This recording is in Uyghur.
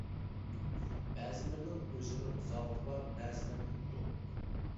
بەزىلىرىنىڭ ئۆزىنىڭ زاۋۇتى بار بەزىلىرىنىڭ يوق.